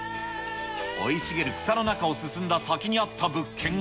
生い茂る草の中を進んだ先にあった物件が。